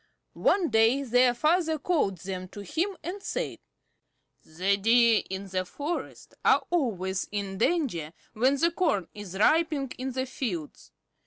One day their father called them to him and said: "The Deer in the forest are always in danger when the corn is ripening in the fields.